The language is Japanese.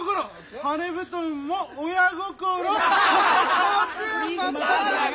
羽根布団も親心。